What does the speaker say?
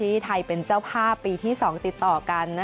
ที่ไทยเป็นเจ้าภาพปีที่๒ติดต่อกัน